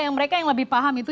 yang mereka yang lebih paham itu